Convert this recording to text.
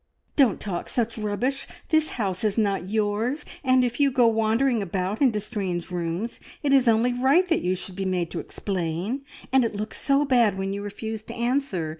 "Don't talk such rubbish! This house is not yours, and if you go wandering about into strange rooms, it is only right that you should be made to explain. And it looks so bad when you refuse to answer.